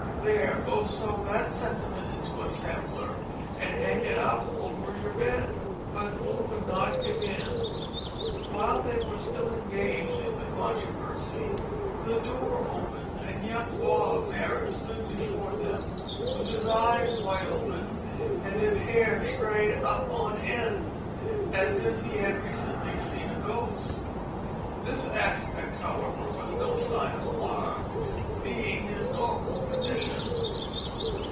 There, go sew that sentiment into a sampler an' hang it up over yer bed." But Loo would not give in. While they were still engaged in the controversy the door opened, and young Bob Marrot stood before them with his eyes wide open and his hair straight up on end, as if he had recently seen a ghost. This aspect, however, was no sign of alarm, being his normal condition.